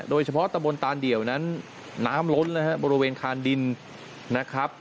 โดยเฉพาะตะบนตานเดี่ยวนั้นน้ำล้นนะครับบริเวณคานดินนะครับ